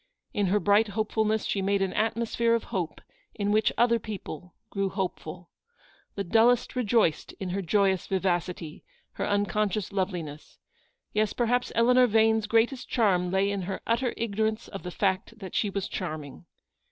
In her bright hopefulness she made an atmosphere of hope in which other people grew hopeful. The dullest rejoiced in her joyous vivacity, her uncon scious loveliness. Yes, perhaps Eleanor Vane's greatest charm lay in her utter ignorance of the fact that she was charming.